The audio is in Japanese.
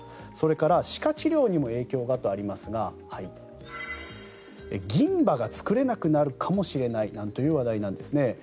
それから、歯科治療にも影響がとありますが銀歯が作れなくなるかもしれないなんていう話題なんですね。